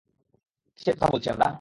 কিসের কথা বলছি আমরা?